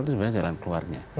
itu sebenarnya jalan keluarnya